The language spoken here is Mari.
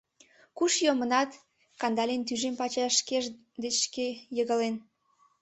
Куш йомыныт?» — Кандалин тӱжем пачаш шкеж деч шке йыгылен.